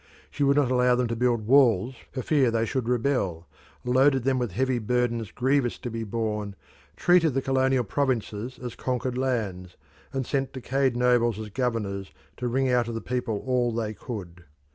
She would not allow them to build walls for fear they should rebel, loaded them with heavy burdens grievous to be borne, treated the colonial provinces as conquered lands, and sent decayed nobles as governors to wring out of the people all they could.